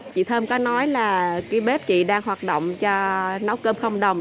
chị thơm có nói là cái bếp chị đang hoạt động cho nấu cơm không đồng